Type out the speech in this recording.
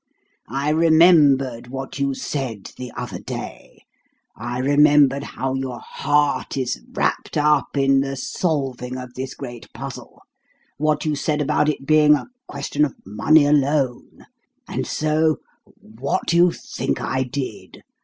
I remembered what you said the other day I remembered how your heart is wrapped up in the solving of this great puzzle what you said about it being a question of money alone; and so, what do you think I did?